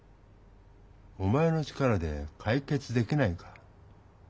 お前の力でかい決できないか？